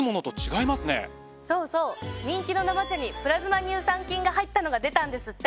そうそう人気の生茶にプラズマ乳酸菌が入ったのが出たんですって。